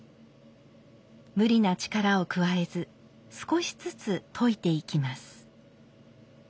無理な力を加えず少しずつといていきます。